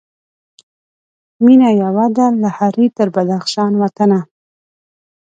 مېنه یوه ده له هري تر بدخشان وطنه